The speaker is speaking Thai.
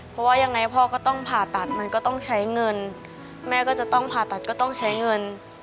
เพราะว่ายังไงพ่อก็ต้องผ่าตัดมันก็ต้องใช้เงินแม่ก็จะต้องผ่าตัดก็ต้องใช้เงิน